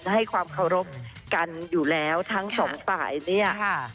ให้ความเคารพกันอยู่แล้วทั้งสองฝ่ายเนี่ย